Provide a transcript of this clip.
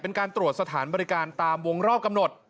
เป็นการตรวจสถานบริการตามวงรอบกำหนด